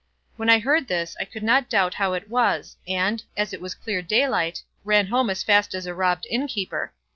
When I heard this, I could not doubt how it was, and, as it was clear daylight, ran home as fast as a robbed innkeeper.